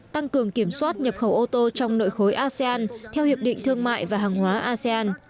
tăng cường kiểm soát nhập khẩu ô tô trong nội khối asean theo hiệp định thương mại và hàng hóa asean